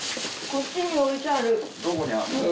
ここに置いてある。